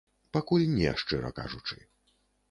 Пакуль не, шчыра кажучы.